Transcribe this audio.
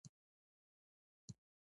احکام د رئیس الوزرا لخوا صادریږي